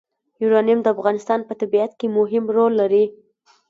یورانیم د افغانستان په طبیعت کې مهم رول لري.